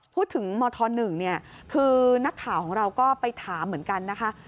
พูดถึงมธ๑เนี่ยคือนักข่าวของเราก็ไปถามเหมือนกันนะคะ